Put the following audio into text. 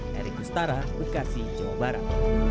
heri kustara bekasi jawa barat